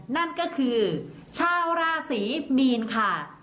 นั่นก็คือชาวราศีมีนค่ะ